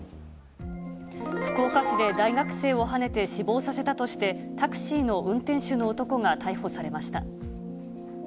福岡市で大学生をはねて死亡させたとして、タクシーの運転手の男が逮捕されました。